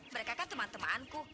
mereka kan teman temanku